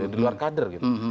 di luar kader gitu